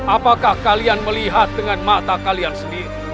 apakah kalian melihat dengan mata kalian sendiri